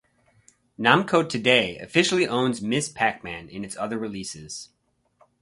Namco today officially owns Ms. Pac-Man in its other releases.